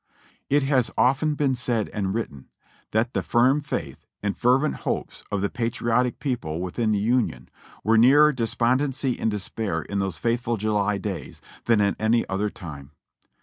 It has often been said and written that the firm faith and fer vent hopes of the patriotic people w ithin the Union were nearer despondency and despair in those fateful July days than at any other time.